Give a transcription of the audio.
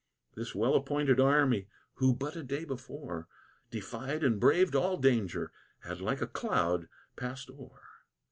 This well appointed army, who but a day before Defied and braved all danger, had like a cloud passed o'er.